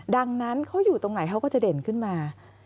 ดังนั้นเขาอยู่ตรงไหนเขาก็จะเด่นขึ้นมา